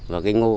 vào cái ngô